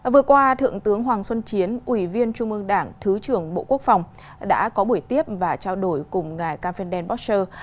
vừa qua thượng tướng hoàng xuân chiến ủy viên trung ương đảng thứ trưởng bộ quốc phòng đã có buổi tiếp và trao đổi cùng ngài campendel bosscher